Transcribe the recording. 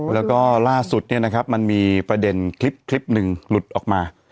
แล้วก็ล่าสุดเนี่ยนะครับมันมีประเด็นคลิปหนึ่งหลุดออกมา